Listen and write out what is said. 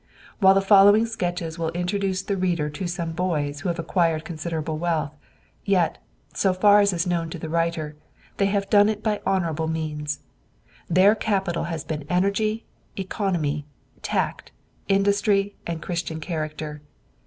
While the following sketches will introduce the reader to some "boys" who have acquired considerable wealth, yet, so far as known to the writer, they have done it by honorable means. Their capital has been energy, economy, tact, industry and Christian character.